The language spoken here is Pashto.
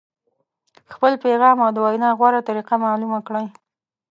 خپل پیغام او د وینا غوره طریقه معلومه کړئ.